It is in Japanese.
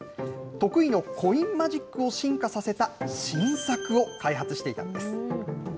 得意のコインマジックを進化させた新作を開発していたんです。